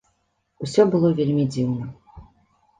Усё было вельмі дзіўна.